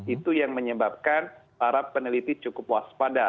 itu yang menyebabkan para peneliti cukup waspada